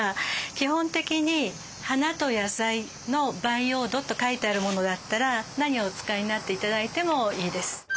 基本的に花と野菜の培養土と書いてあるものだったら何をお使いになって頂いてもいいです。